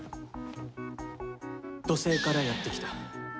土星からやって来た。